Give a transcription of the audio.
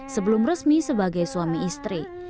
sebelum resmi sebagai suami istri